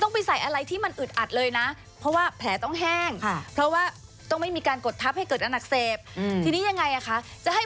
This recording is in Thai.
ต้องไปทำงานต้องสวยอะไรอย่างนี้